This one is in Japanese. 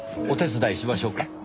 お手伝いしましょうか？